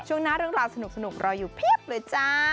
ช่วงหน้าเรื่องราวสนุกรออยู่เพียบเลยจ้า